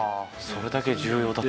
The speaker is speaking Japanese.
それだけ重要だった。